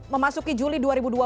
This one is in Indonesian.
memasuki juli dua ribu dua puluh